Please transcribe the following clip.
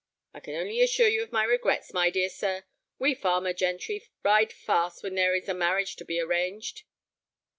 "I can only assure you of my regrets, my dear sir. We farmer gentry ride fast when there is a marriage to be arranged."